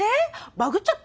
バグっちゃった？